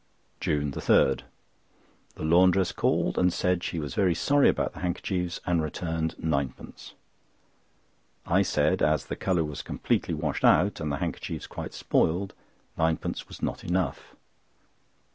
JUNE 3.—The laundress called, and said she was very sorry about the handkerchiefs, and returned ninepence. I said, as the colour was completely washed out and the handkerchiefs quite spoiled, ninepence was not enough.